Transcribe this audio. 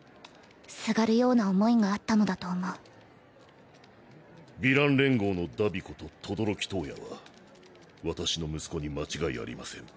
縋るような想いがあったのだと思うヴィラン連合の荼毘こと轟燈矢は私の息子に間違いありません。